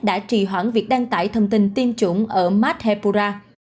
đã trì hoãn việc đăng tải thông tin tiêm chủng ở madhepura